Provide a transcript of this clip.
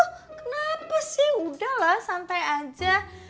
kenapa sih udah lah santai aja